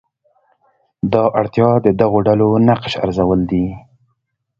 دا اړتیا د دغو ډلو نقش ارزول دي.